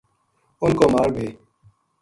ان کو مال بے